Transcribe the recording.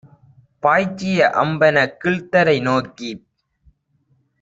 பாய்ச்சிய அம்பெனக் கீழ்த்தரை நோக்கிப்